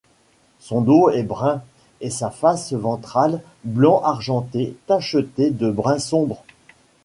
Son dos est brun et sa face ventrale blanc argenté tacheté de brun sombre.